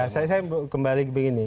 saya kembali ke begini